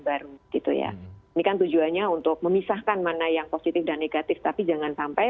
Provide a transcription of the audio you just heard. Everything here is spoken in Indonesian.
baru gitu ya ini kan tujuannya untuk memisahkan mana yang positif dan negatif tapi jangan sampai